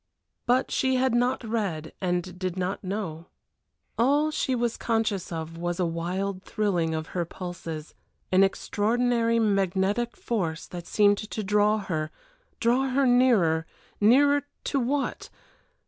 But she had not read, and did not know. All she was conscious of was a wild thrilling of her pulses, an extraordinary magnetic force that seemed to draw her draw her nearer nearer to what?